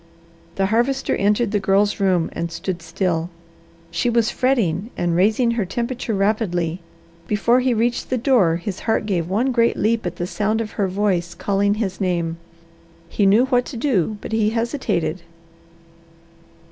The Harvester entered the Girl's room and stood still. She was fretting and raising her temperature rapidly. Before he reached the door his heart gave one great leap at the sound of her voice calling his name. He knew what to do, but he hesitated.